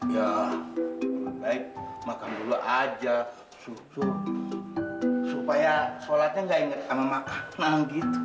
ya baik makan dulu aja susu supaya sholatnya gak inget sama makanan gitu